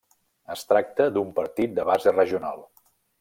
Es tracta d'un partit de base regional.